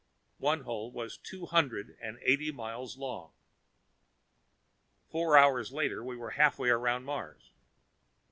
One hole was two hundred and eighty miles long. Four hours later, we were halfway around Mars.